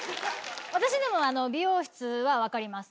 私でも美容室は分かります。